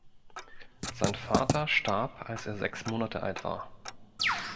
Sein Vater starb als er sechs Monate alt war.